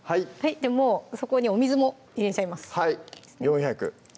もうそこにお水も入れちゃいます